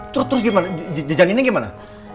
terus gimana jejanginnya gimana